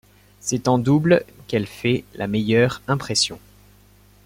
C'est en double qu’elle fait la meilleure impression.